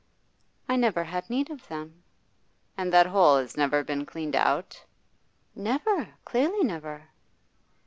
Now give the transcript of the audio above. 'I never had need of them.' 'And that hole has never been cleaned out?' 'Never; clearly never.